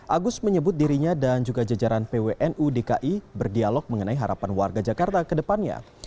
agus menyebut dirinya dan juga jajaran pwnu dki berdialog mengenai harapan warga jakarta ke depannya